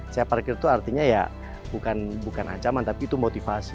saya parkir itu artinya ya bukan ancaman tapi itu motivasi